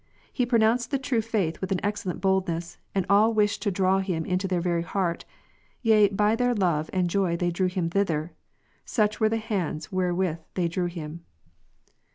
He pro nounced the true faith with an excellent boldness, and all wished to draw him into their very heart : yea by their love and joy they drew him thither ; such were the hands where with they drew him.